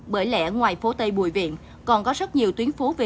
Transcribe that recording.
bởi lẽ ngoài phố tây bùi viện còn có rất nhiều tuyến phố về đường phố này